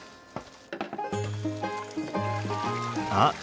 あっ！